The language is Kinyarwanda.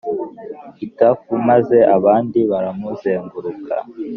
itapfuye maze abandi baramuzenguruka